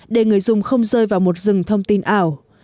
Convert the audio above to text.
để người dùng không rơi vào một dừng thông tin ảo